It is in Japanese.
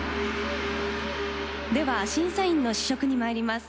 では審査員の試食にまいります。